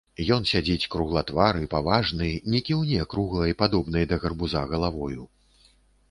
Ён сядзіць круглатвары, паважны, не кіўне круглай, падобнай да гарбуза, галавою.